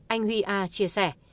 anh huy a chia sẻ